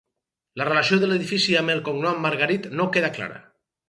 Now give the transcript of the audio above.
La relació de l'edifici amb el cognom Margarit no queda clara.